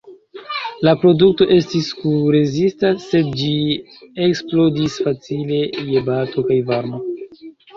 La produkto estis sku-rezista, sed ĝi eksplodis facile je bato kaj varmo.